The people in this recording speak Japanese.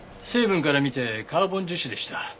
成分から見てカーボン樹脂でした。